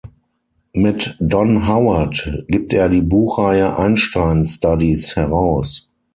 Mit Don Howard gibt er die Buchreihe "Einstein Studies" heraus.